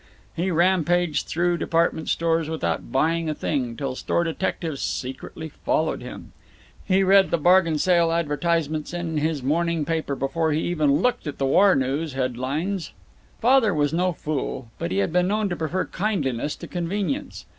He rampaged through department stores without buying a thing, till store detectives secretly followed him. He read the bargain sale advertisements in his morning paper before he even looked at the war news head lines. Father was no fool, but he had been known to prefer kindliness to convenience.